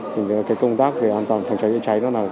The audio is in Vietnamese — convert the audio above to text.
thì cái công tác về an toàn phòng cháy cháy nó là cái